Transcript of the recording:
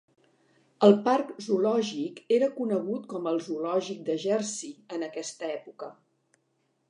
El parc zoològic era conegut com el "Zoològic de Jersey" en aquesta època.